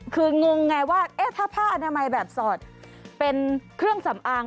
คืองงไงว่าถ้าผ้าอนามัยแบบสอดเป็นเครื่องสำอาง